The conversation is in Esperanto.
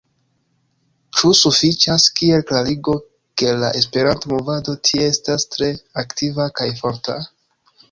Ĉu sufiĉas kiel klarigo, ke la Esperanto-movado tie estas tre aktiva kaj forta?